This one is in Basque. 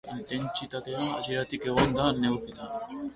Intentsitatea hasieratik egon da neurketan.